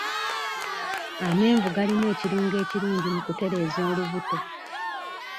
Amenvu galimu ekirungo ekirungi mu kutereeza olubuto.